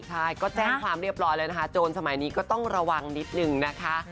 ใช่ก็แจ้งความเรียบร้อยแล้วนะคะโจรสมัยนี้ก็ต้องระวังนิดนึงนะคะ